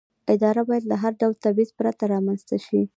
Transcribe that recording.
اداره باید له هر ډول تبعیض پرته رامنځته شي.